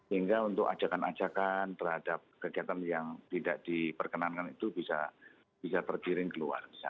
hingga untuk ajakan ajakan terhadap kegiatan yang tidak diperkenankan itu bisa tergiring keluar